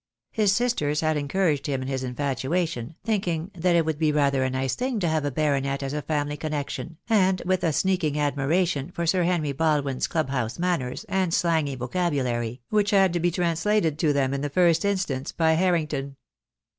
His sisters had encouraged him in his infatuation, thinking that it would be rather a nice thing to have a baronet as a family connection, and with a sneaking admiration for Sir Henry Baldwin's club house manners, and slangy vocabulary, which had to be translated to them in the first instance by Harrington.